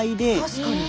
確かに。